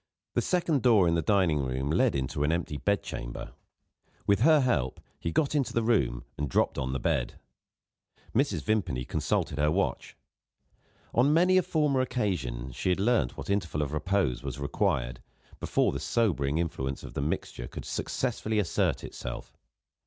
The second door in the dining room led into an empty bed chamber. With her help, he got into the room, and dropped on the bed. Mrs. Vimpany consulted her watch. On many a former occasion she had learnt what interval of repose was required, before the sobering influence of the mixture could successfully assert itself.